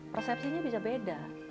persepsinya bisa berbeda